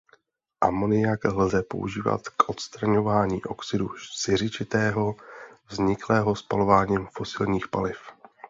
Amoniak lze použít k odstraňování oxidu siřičitého vzniklého spalováním fosilních paliv.